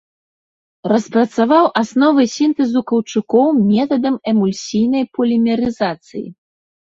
Распрацаваў асновы сінтэзу каўчукоў метадам эмульсійнай полімерызацыі.